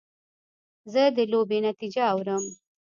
زه د لوبې نتیجه اورم.